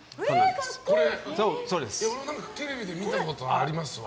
テレビで見たことありますね。